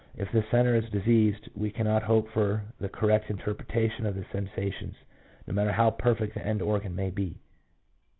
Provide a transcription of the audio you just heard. If the centre is diseased, we cannot hope for the correct interpretation of the sensations, no matter how perfect the end organ may be.